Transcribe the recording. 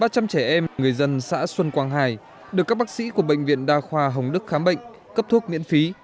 ba trăm linh trẻ em người dân xã xuân quang hai được các bác sĩ của bệnh viện đa khoa hồng đức khám bệnh cấp thuốc miễn phí